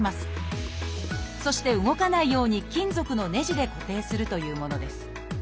そして動かないように金属のねじで固定するというものです。